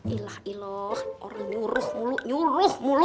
ilah iloh orang nyuruh mulu nyuruh mulu